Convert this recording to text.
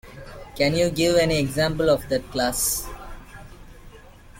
Can you give any example of that class?